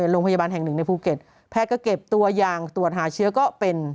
โรงพยาบาลแห่งหนึ่งในภูเก็ตแพทย์ก็เก็บตัวอย่างตรวจหาเชื้อก็เป็น